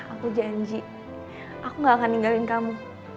aku janji aku gak akan ninggalin kamu